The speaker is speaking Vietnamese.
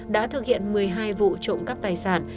đã thực hiện một mươi hai vụ trộm cắp tài sản